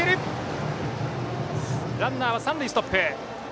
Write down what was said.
ランナーは三塁ストップ。